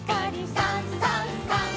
「さんさんさん」